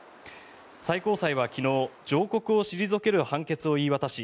最高裁は昨日上告を退ける判決を言い渡し